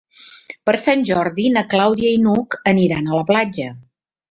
Per Sant Jordi na Clàudia i n'Hug aniran a la platja.